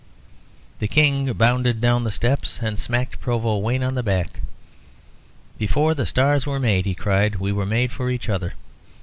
The King bounded down the steps and smacked Provost Wayne on the back. "Before the stars were made," he cried, "we were made for each other.